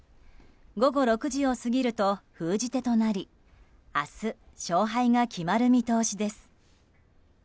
午後６時を過ぎると封じ手となり明日、勝敗が決まる見通しです。